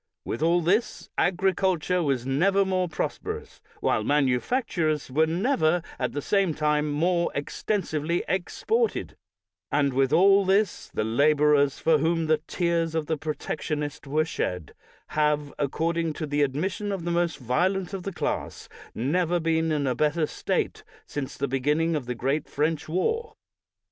With all this, agriculture was never more prosperous, while manufactures were never, at the same time, more extensively exported; and with all this, the la borers, for whom the tears of the Protectionist were shed, have, according to the admission of the most violent of the class, never been in a better state since the beginning of the great French war.